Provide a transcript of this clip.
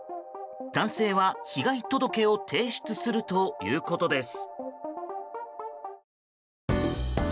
男性は被害届を提出するということです。